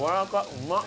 うまっ！